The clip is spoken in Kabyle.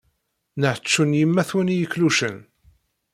Neḥčun yemma-twen i iklucen.